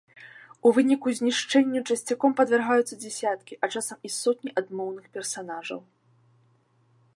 У выніку знішчэнню часцяком падвяргаюцца дзясяткі, а часам і сотні адмоўных персанажаў.